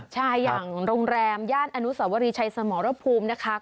ใช่อย่างโรงแรมย่านอนุสวรีชัยสมรภูมินะคะ